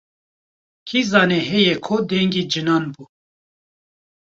Kî zane heye ko dengê cinan bû.